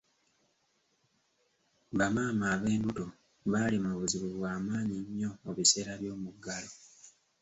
Bamaama ab'embuto baali mu buzibu bw'amaanyi nnyo mu biseera by'omuggalo.